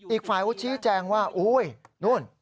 อีกฝ่ายวุฒิแจงว่าอุ๊ยนู่น